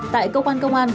tại cơ quan công an